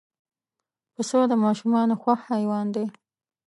پسه د ماشومانو خوښ حیوان دی.